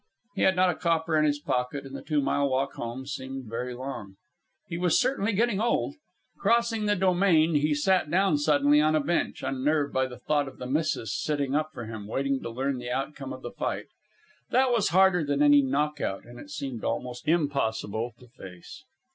He had not a copper in his pocket, and the two mile walk home seemed very long. He was certainly getting old. Crossing the Domain, he sat down suddenly on a bench, unnerved by the thought of the missus sitting up for him, waiting to learn the outcome of the fight. That was harder than any knockout, and it seemed almost impossible to face.